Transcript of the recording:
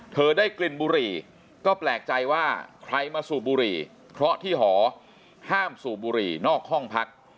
ได้กลิ่นบุหรี่ก็แปลกใจว่าใครมาสูบบุหรี่เพราะที่หอห้ามสูบบุหรี่นอกห้องพัก